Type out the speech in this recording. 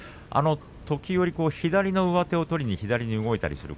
時折、左の上手を取りに左に動いたりします。